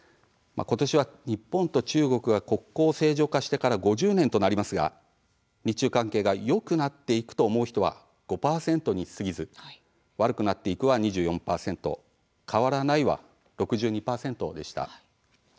ことしは日本と中国が国交を正常化してから５０年となりますが日中関係が「良くなっていく」と思う人は５％にすぎず「悪くなっていく」は２４％「変わらない」は６２％でした。